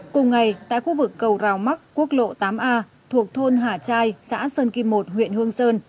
cùng ngày tại khu vực cầu rào mắc quốc lộ tám a thuộc thôn hà trai xã sơn kim một huyện hương sơn